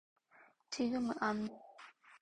지금은 안 돼.